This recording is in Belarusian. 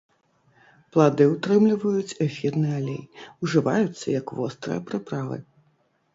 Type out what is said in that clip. Плады ўтрымліваюць эфірны алей, ужываюцца як вострыя прыправы.